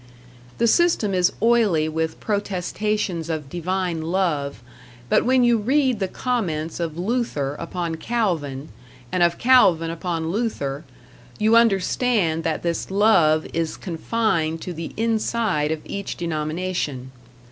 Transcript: The system is oily with protestations of divine love; but when you read the comments of Luther upon Calvin and of Calvin upon Luther, you understand that this love is confined to the inside of each denomination.